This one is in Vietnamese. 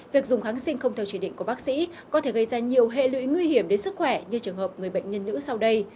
việc dùng kháng sinh không theo chỉ định của bác sĩ có thể gây ra nhiều hệ lụy nguy hiểm đến sức khỏe như trường hợp người bệnh nhân nữ sau đây